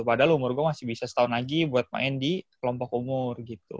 padahal umur gue masih bisa setahun lagi buat main di kelompok umur gitu